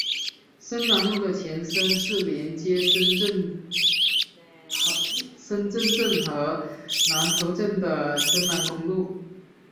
深南路的前身是连接深圳镇和南头镇的深南公路。